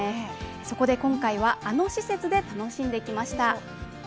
そこで今回は、あの施設で楽しんできました。